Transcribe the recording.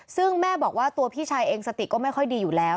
ซึ่งแม่บอกว่าตัวพี่ชายเองสติก็ไม่ค่อยดีอยู่แล้ว